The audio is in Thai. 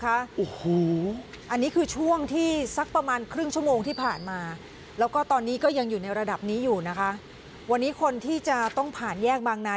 อันนี้คือช่วงที่ซักประมาณครึ่งชั่วโมงที่ผ่านมา